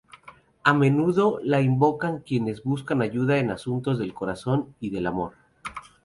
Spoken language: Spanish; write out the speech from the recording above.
A menudo la invocan quienes buscan ayuda en asuntos del corazón y del amor.